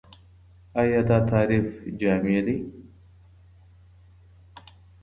ايا دا تعريف جامع دی؟